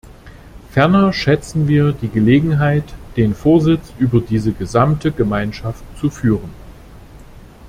Ferner schätzen wir die Gelegenheit, den Vorsitz über diese gesamte Gemeinschaft zu führen.